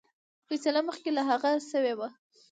فیصله مخکي له هغه شوې وه.